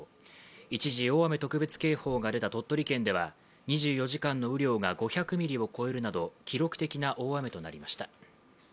一時、大雨特別警報が出た鳥取県では２４時間の雨量が５００ミリを超えるなど記録的な大雨となりました。